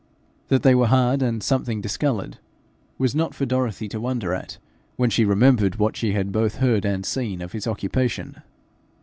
That they were hard and something discoloured was not for Dorothy to wonder at, when she remembered what she had both heard and seen of his occupations.